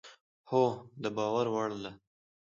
هو، د باور وړ